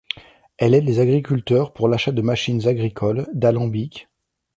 Elle aide les agriculteurs pour l'achat de machines agricoles, d'alambics...